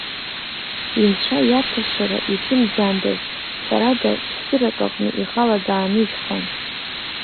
Инцәа иаҭәашьара ихьымӡандаз, ҳәарада цәҳәырак аҟны ихала дааныжьхон.